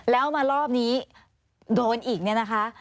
แล้วมารอบนี้โดนอีกเนี่ยนะคะ